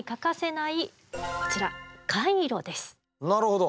なるほど。